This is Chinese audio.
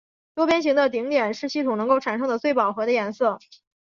多边形的顶点是系统能够产生的最饱和的颜色。